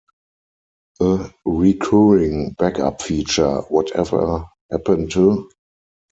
A recurring back-up feature Whatever Happened to...?